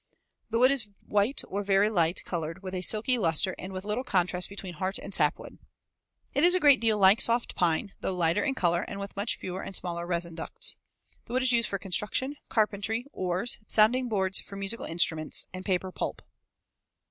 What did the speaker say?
The wood is white or very light colored with a silky luster and with little contrast between heart and sapwood. It is a great deal like soft pine, though lighter in color and with much fewer and smaller resin ducts. The wood is used for construction, carpentry, oars, sounding boards for musical instruments, and paper pulp.